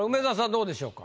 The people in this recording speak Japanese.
どうでしょうか？